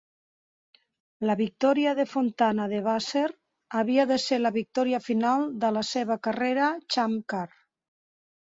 La victòria de Fontana de Vasser havia de ser la victòria final de la seva carrera ChampCar.